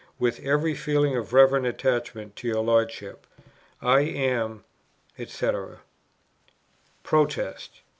With every feeling of reverent attachment to your Lordship, "I am, &c." PROTEST.